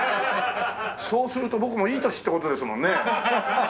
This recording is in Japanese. そうすると僕もいい年って事ですもんね。